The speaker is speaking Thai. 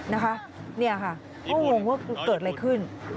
นี่ค่ะก็งงว่าเกิดอะไรขึ้น